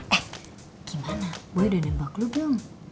eh gimana boy udah nebak lo belum